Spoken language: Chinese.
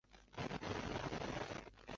与顾炎武是至交。